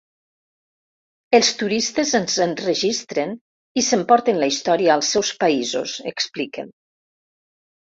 Els turistes ens enregistren i s’emporten la història als seus països, expliquen.